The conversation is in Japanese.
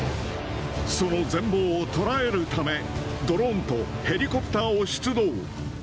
その全貌を捉えるため、ドローンとヘリコプターを出動。